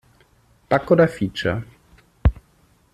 Bug oder Feature?